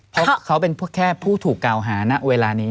เพราะเขาเป็นแค่ผู้ถูกกล่าวหาณเวลานี้